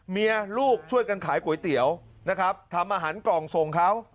ลูกช่วยกันขายก๋วยเตี๋ยวนะครับทำอาหารกล่องส่งเขา